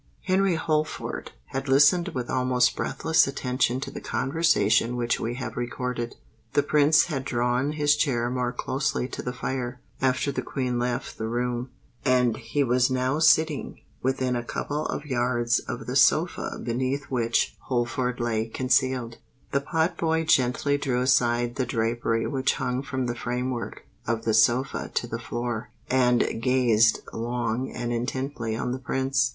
Henry Holford had listened with almost breathless attention to the conversation which we have recorded. The Prince had drawn his chair more closely to the fire, after the Queen left the room; and he was now sitting within a couple of yards of the sofa beneath which Holford lay concealed. The pot boy gently drew aside the drapery which hung from the framework of the sofa to the floor, and gazed long and intently on the Prince.